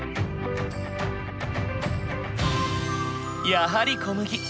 やはり小麦。